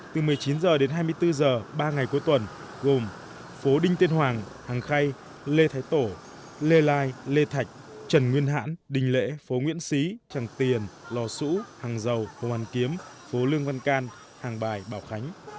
tiên hoàng hàng khay lê thái tổ lê lai lê thạch trần nguyên hãn đình lễ phố nguyễn xí tràng tiền lò sũ hàng dầu hồ hàn kiếm phố lương văn can hàng bài bảo khánh